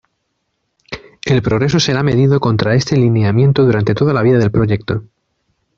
El progreso será medido contra este lineamiento durante toda la vida del proyecto.